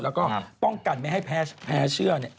แล้วก็ป้องกันไม่ให้แพ้เชื่อ